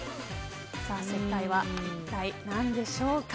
正解は一体何でしょうか。